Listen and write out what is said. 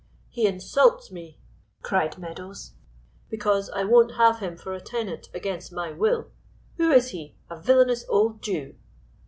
"He insults me," cried Meadows, "because I won't have him for a tenant against my will. Who is he? A villainous old Jew."